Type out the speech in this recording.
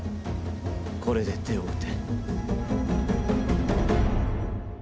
これで手を打て。